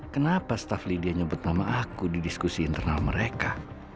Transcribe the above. kenapa staffley dia nyebut nama aku di diskusi internal mereka